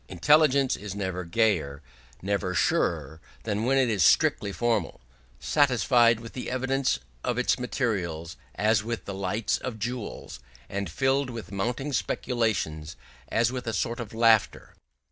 Intelligence is never gayer, never surer, than when it is strictly formal, satisfied with the evidence of its materials, as with the lights of jewels, and filled with mounting speculations, as with a sort of laughter.